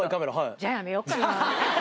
じゃあやめよっかな。